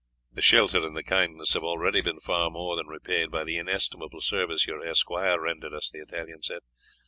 "The shelter and the kindness have already been far more than repaid by the inestimable service your esquire rendered us," the Italian said.